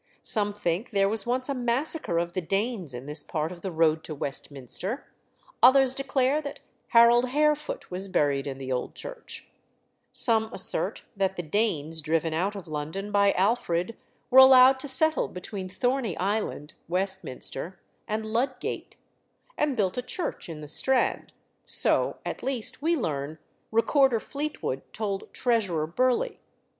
Some think there was once a massacre of the Danes in this part of the road to Westminster; others declare that Harold Harefoot was buried in the old church; some assert that the Danes, driven out of London by Alfred, were allowed to settle between Thorney Island (Westminster) and Ludgate, and built a church in the Strand; so, at least, we learn, Recorder Fleetwood told Treasurer Burleigh.